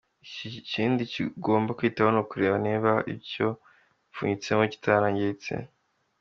Ikindi ugomba kwitaho ni ukureba niba icyo bipfunyitsemo kitarangiritse.